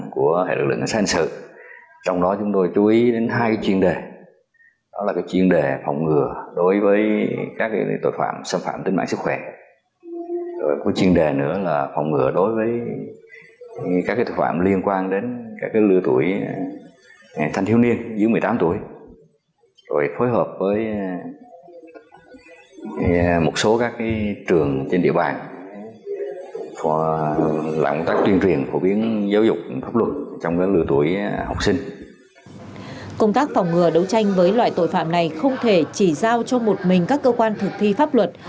công tác phòng ngừa đấu tranh với loại tội phạm này không thể chỉ giao cho một mình các cơ quan thực thi pháp luật